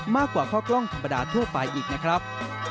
มากกว่าข้อกล้องธรรมดาทั่วไปอีกนะครับ